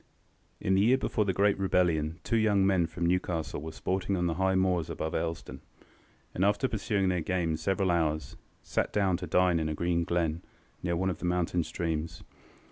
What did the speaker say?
In the year before the great rebellion two young men from Newcastle were sporting on the high moors above Elsdon, and, after pursuing their game several hours, sat down to dine in a green glen, near one of the mountain streams.